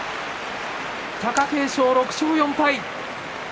貴景勝、６勝４敗。